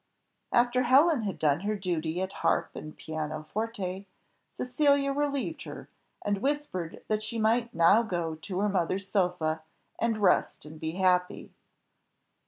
After Helen had done her duty at harp and piano forte, Cecilia relieved her, and whispered that she might now go to her mother's sofa, and rest and be happy.